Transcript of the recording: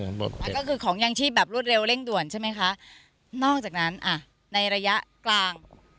แล้วก็คือของยังชีพแบบรวดเร็วเร่งด่วนใช่ไหมคะนอกจากนั้นอ่ะในระยะกลาง